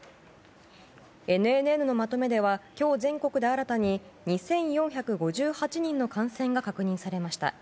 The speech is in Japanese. ＮＮＮのまとめでは、今日全国で新たに２４５８人の感染が確認されました。